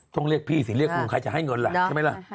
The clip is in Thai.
ต้องเรียกพี่สิเรียกลุงใครจะให้เงินล่ะใช่ไหมล่ะ